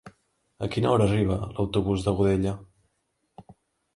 A quina hora arriba l'autobús de Godella?